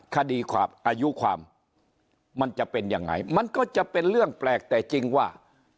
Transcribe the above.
คดีความอายุความมันจะเป็นยังไงมันก็จะเป็นเรื่องแปลกแต่จริงว่า